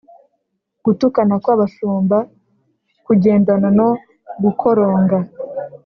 gutukana kw'abashumba kugendana no gukoronga